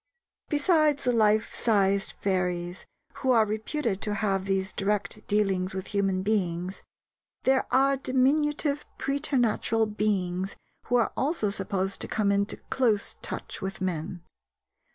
Besides the life sized fairies who are reputed to have these direct dealings with human beings, there are diminutive preternatural beings who are also supposed to come into close touch with men.